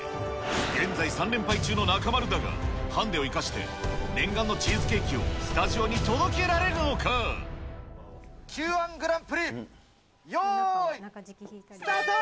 現在３連敗中の中丸だが、ハンデを生かして、念願のチーズケーキをスタジオに届けられるのキューワングランプリ、よーいスタート！